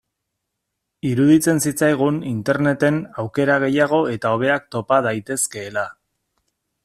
Iruditzen zitzaigun Interneten aukera gehiago eta hobeak topa daitezkeela.